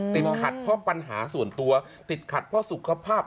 ติดขัดเพราะปัญหาส่วนตัวติดขัดเพราะสุขภาพ